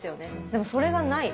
でもそれがない。